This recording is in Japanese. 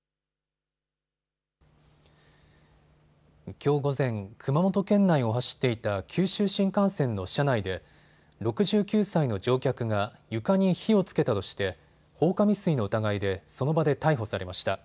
きょう午前、熊本県内を走っていた九州新幹線の車内で６９歳の乗客が床に火をつけたとして放火未遂の疑いでその場で逮捕されました。